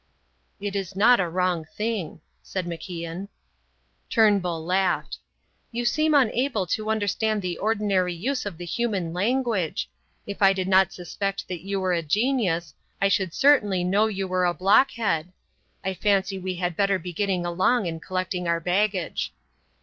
"It is not a wrong thing," said MacIan. Turnbull laughed. "You seem unable to understand the ordinary use of the human language. If I did not suspect that you were a genius, I should certainly know you were a blockhead. I fancy we had better be getting along and collecting our baggage."